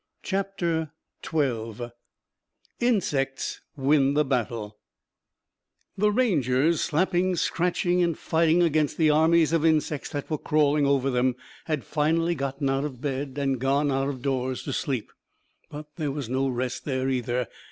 CHAPTER XII INSECTS WIN THE BATTLE The Rangers, slapping, scratching and fighting against the armies of insects that were crawling over them, had finally got out of bed and gone out of doors to sleep. But there was no rest there either.